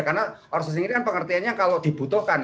karena outsourcing ini kan pengertiannya kalau dibutuhkan